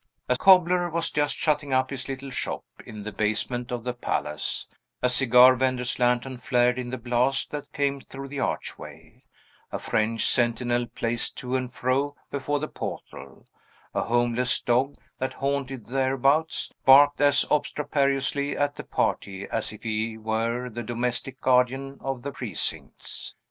A cobbler was just shutting up his little shop, in the basement of the palace; a cigar vender's lantern flared in the blast that came through the archway; a French sentinel paced to and fro before the portal; a homeless dog, that haunted thereabouts, barked as obstreperously at the party as if he were the domestic guardian of the precincts.